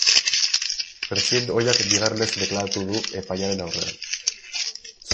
President ohiak bigarrenez deklaratuko du epailearen aurrean.